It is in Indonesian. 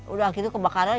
udah gitu kebakaran